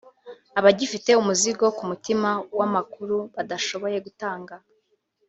abagifite umuzigo ku mutima w’amakuru batashoboye gutanga